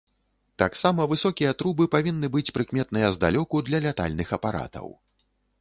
Таксама высокія трубы павінны быць прыкметныя здалёку для лятальных апаратаў.